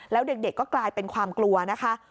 แล้วเด็กก็กลายเป็นความกลัวนะคะ